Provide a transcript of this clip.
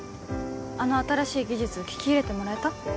あの新しい技術聞き入れてもらえた？